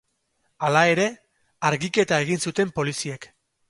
Hala ere, argiketa egin zuten poliziek.